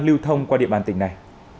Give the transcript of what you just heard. điều thông qua địa bàn tỉnh này